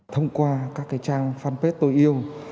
thông qua các cái trang fanpage tôi yêu